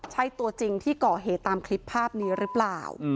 ใช่ตัวจริงที่ก่อเหตุตามคลิปภาพนี้หรือเปล่า